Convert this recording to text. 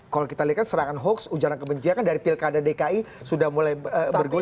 kalau kita lihat kan serangan hoax ujaran kebencian dari pilkada dki sudah mulai bergulir